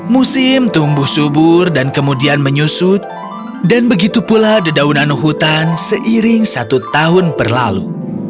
musim tumbuh subur dan kemudian menyusut dan begitu pula dedaunan hutan seiring satu tahun berlalu